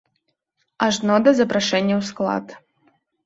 Ажно да запрашэння ў склад.